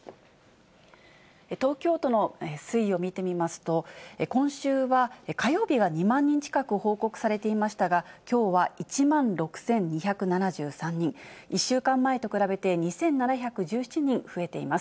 東京都の推移を見てみますと、今週は火曜日が２万人近く報告されていましたが、きょうは１万６２７３人、１週間前と比べて２７１７人増えています。